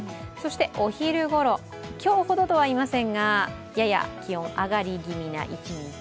お昼ごろ、今日ほどとはいいませんが、やや気温、上がり気味な一日。